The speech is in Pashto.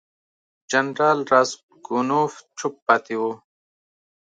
جنرال راسګونوف چوپ پاتې وو.